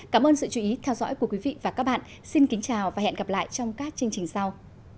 cảm ơn sự chú ý theo dõi của quý vị và các bạn xin kính chào và hẹn gặp lại trong các chương trình sau